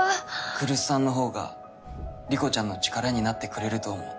来栖さんのほうが莉子ちゃんの力になってくれると思う。